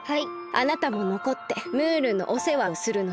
あなたものこってムールのおせわをするのです。